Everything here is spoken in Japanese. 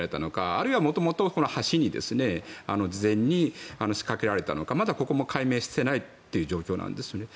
あるいは元々、橋に事前に仕掛けられたのかまだここも解明していないという状況なんですね。